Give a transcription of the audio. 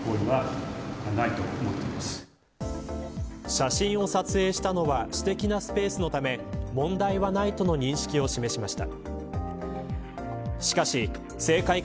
写真を撮影したのは私的なスペースのため問題はないとの認識を示しました。